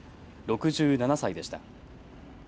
６７歳でした。